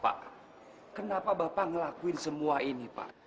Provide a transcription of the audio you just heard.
pak kenapa bapak ngelakuin semua ini pak